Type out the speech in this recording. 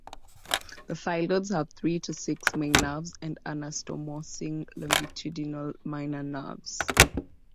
The phyllodes have three to six main nerves and anastomosing longitudinal minor nerves.